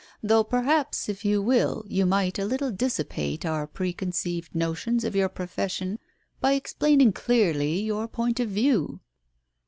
Though perhaps, if you will, you might a little dissipate our preconceived motions of your profession, by explain ing clearly your point of view."